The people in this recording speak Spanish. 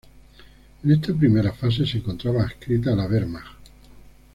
En esta primera fase se encontraba adscrita a la Wehrmacht.